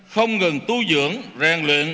không ngừng tu dưỡng rèn luyện